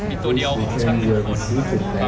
มีตัวเดียวของช่างหนึ่งคนนะครับ